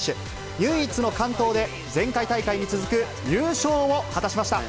唯一の完登で、前回大会に続く、優勝を果たしました。